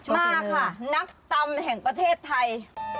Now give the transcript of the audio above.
มาค่ะนักตำแห่งประเทศไทย